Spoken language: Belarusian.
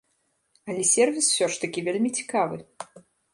Але сервіс усё ж такі вельмі цікавы.